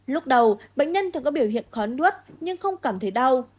lúc đầu bệnh nhân thường có biểu hiện khón nuốt nhưng không cảm thấy đau